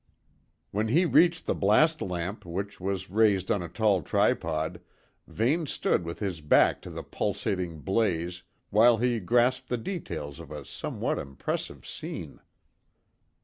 When he reached the blast lamp, which was raised on a tall tripod, Vane stood with his back to the pulsating blaze while he grasped the details of a somewhat impressive scene.